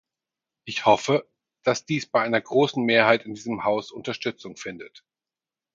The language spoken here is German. Ich hoffe, dass dies bei einer großen Mehrheit in diesem Haus Unterstützung findet.